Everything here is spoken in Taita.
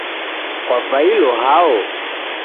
Kwavailo hao?